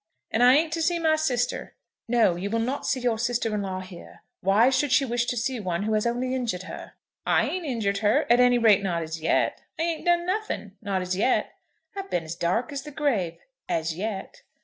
"And I ain't to see my sister?" "No; you will not see your sister in law here. Why should she wish to see one who has only injured her?" "I ain't injured her; at any rate not as yet. I ain't done nothing; not as yet. I've been as dark as the grave; as yet.